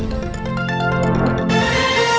โน้ท